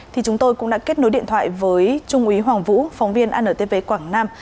thì chúng tôi cũng đã kết nối điện thoại với trung úy hoàng vũ phóng viên antv quảng nam